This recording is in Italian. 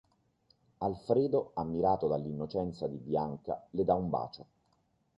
Alfredo, ammirato dall'innocenza di Bianca, le dà un bacio.